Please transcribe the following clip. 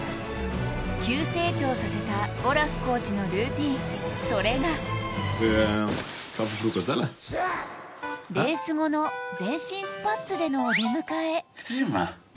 急成長させたオラフコーチのルーティン、それがレース後の、全身スパッツでのお出迎え。